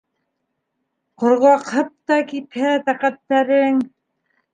Ҡорғаҡһып та кипһә тәкәттәрең